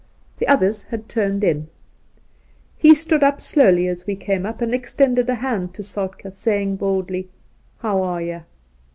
The others had turned in. He stood up slowly as we Soltke 45 came up and extended a hand to Soltk^, saying baldly :' How are ye ?'